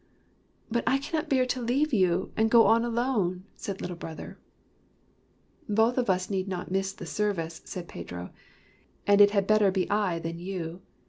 " But I can not bear to leave you, and go on alone," said Little Brother. " Both of us need not miss the service," said Pedro, " and it had better be I than you.